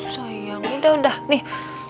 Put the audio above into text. sayang udah udah nih